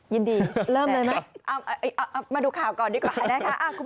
ยินดีเริ่มเลยไหมมาดูข่าวก่อนดีกว่านะคะ